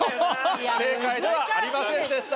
正解ではありませんでした。